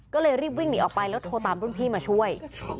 ก็เลยรีบวิ่งหนีออกไปแล้วโทรตามรุ่นพี่มาช่วย